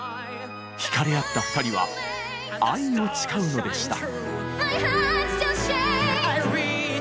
惹かれ合った２人は愛を誓うのでした。